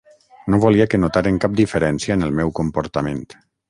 No volia que notaren cap diferència en el meu comportament.